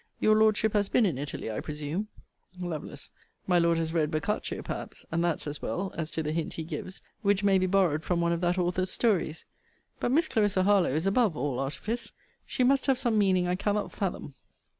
Your Lordship has been in Italy, I presume? Lovel. My Lord has read Boccaccio, perhaps; and that's as well, as to the hint he gives, which may be borrowed from one of that author's stories. But Miss Clarissa Harlowe is above all artifice. She must have some meaning I cannot fathom.